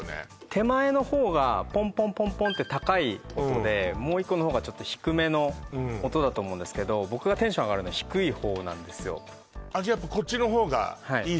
手前の方がポンポンポンポンって高い音でもう一個の方がちょっと低めの音だと思うんですけど僕がテンション上がるのは低い方なんですよじゃ